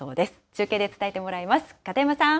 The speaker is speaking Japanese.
中継で伝えてもらいます、片山さん。